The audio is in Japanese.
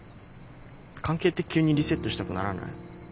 関係って急にリセットしたくならない？